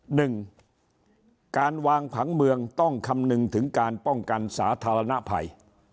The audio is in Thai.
หนึ่งการวางผังเมืองต้องคำนึงถึงการป้องกันสาธารณภัย